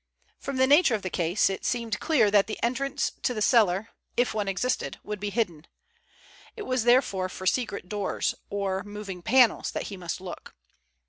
From the nature of the case it seemed clear that the entrance to the cellar, if one existed, would be hidden. It was therefore for secret doors or moving panels that he must look.